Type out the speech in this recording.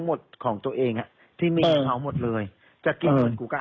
มันก็โสดลงที่อูบลนั่นถิก็ลางเเข้าทั้งที่ถึงกระถิ่นน่ะ